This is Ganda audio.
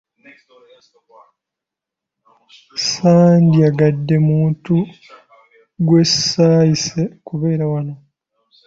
Sandyagadde muntu gwe saayise kubeera wano.